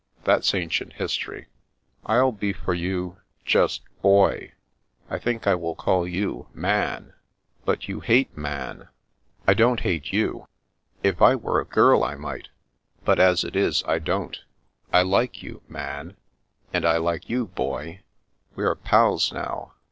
That's ancient history. I'll be for you — just Boy. I tl\ink I will call you Man." " But you hate Man." " I don't hate you. If I were a girl I might, but as it is, I don't. I like you — Man." " And I like you. Boy. We are pals now.